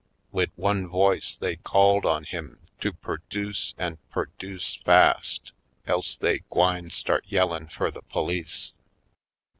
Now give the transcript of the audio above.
Wid one voice they called on him to perduce an' perduce fast, else they gwine start yeilin' fur the police.